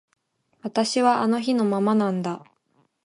私はあの日のままなんだ